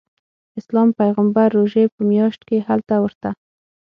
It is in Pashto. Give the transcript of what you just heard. اسلام پیغمبر روژې په میاشت کې هلته ورته.